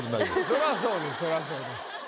それはそうですそれはそうです。